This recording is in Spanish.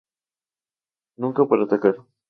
Nunca para atacar.